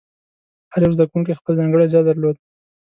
هر یو زده کوونکی خپل ځانګړی ځای درلود.